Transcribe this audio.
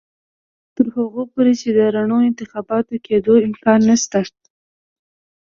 تر هغو پورې د رڼو انتخاباتو کېدو امکان نشته.